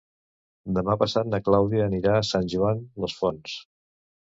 Demà passat na Clàudia anirà a Sant Joan les Fonts.